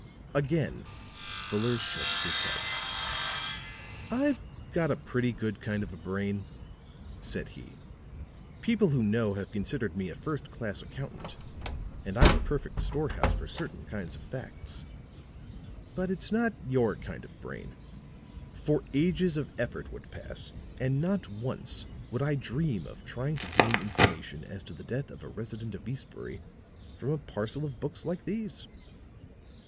Again Fuller shook his head. "I've got a pretty good kind of a brain," said he; "people who know have considered me a first class accountant, and I'm a perfect storehouse for certain kinds of facts. But it's not your kind of brain; for ages of effort would pass and not once would I dream of trying to gain information as to the death of a resident of Eastbury from a parcel of books like these."